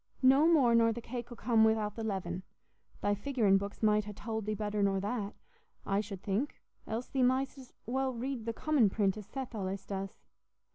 No more nor the cake 'ull come wi'out the leaven. Thy figurin' books might ha' tould thee better nor that, I should think, else thee mightst as well read the commin print, as Seth allays does."